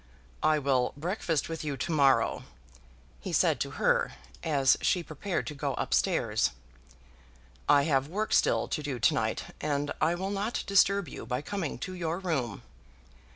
"I will breakfast with you to morrow," he said to her, as she prepared to go up stairs. "I have work still to do to night, and I will not disturb you by coming to your room."